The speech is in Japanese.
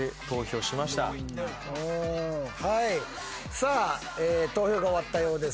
さあ投票が終わったようです。